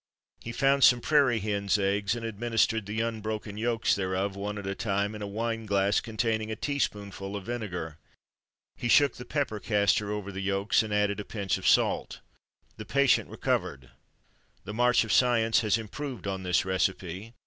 He found some prairie hen's eggs, and administered the unbroken yolks thereof, one at a time, in a wine glass containing a teaspoonful of vinegar. He shook the pepper castor over the yolks and added a pinch of salt. The patient recovered. The march of science has improved on this recipe.